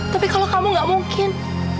tapi kalau kamu gak mungkin